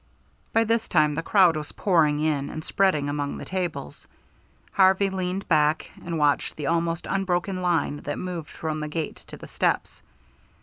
By this time the crowd was pouring in and spreading among the tables. Harvey leaned back and watched the almost unbroken line that moved from the gate to the steps.